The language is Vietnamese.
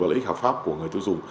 và lợi ích hợp pháp của người tiêu dùng